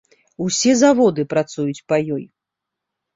Усе заводы працуюць па ёй.